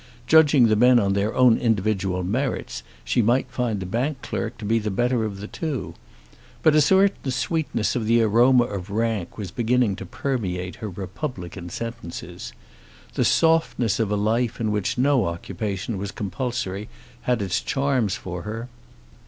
Judging the men on their own individual merits she might find the bank clerk to be the better of the two. But a certain sweetness of the aroma of rank was beginning to permeate her republican senses. The softness of a life in which no occupation was compulsory had its charms for her.